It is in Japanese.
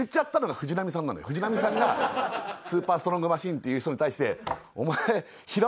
藤波さんがスーパー・ストロング・マシンっていう人に対して。